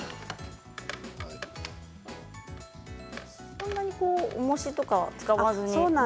そんなにおもしを使わずに。